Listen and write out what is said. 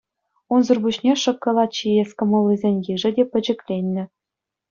Унсӑр пуҫне шӑккӑлат ҫиес кӑмӑллисен йышӗ те пӗчӗкленнӗ.